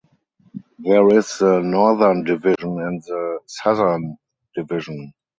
There is the Northern Division and the Southern Division.